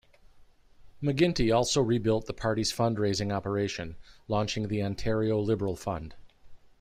McGuinty also rebuilt the party's fundraising operation, launching the Ontario Liberal Fund.